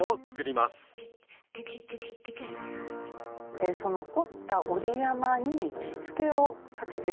えその折った折り山にしつけをかけてゆきます。